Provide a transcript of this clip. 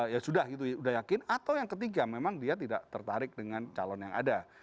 ya sudah yakin atau yang ketiga memang dia tidak tertarik dengan calon yang ada